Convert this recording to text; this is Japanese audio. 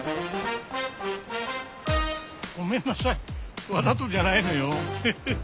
ごめんなさいわざとじゃないのよヘッヘッ。